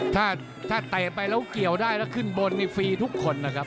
ถ้าเตะไปแล้วเกี่ยวได้แล้วขึ้นบนนี่ฟรีทุกคนนะครับ